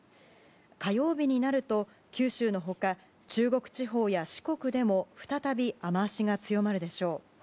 火曜日になると九州の他、中国地方や四国でも再び、雨脚が強まるでしょう。